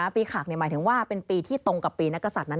ปีขักหมายถึงว่าเป็นปีที่ตรงกับปีนักศัตริย์นั้น